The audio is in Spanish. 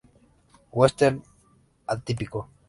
Western atípico.